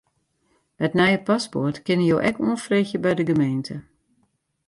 It nije paspoart kinne jo ek oanfreegje by de gemeente.